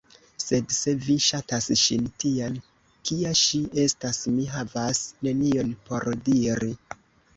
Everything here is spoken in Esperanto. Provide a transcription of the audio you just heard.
Sed se vi ŝatas ŝin tian, kia ŝi estas, mi havas nenion por diri.